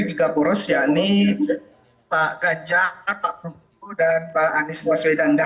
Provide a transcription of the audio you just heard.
tiga poros yakni pak ganjar pak prabowo dan pak anies waswedanda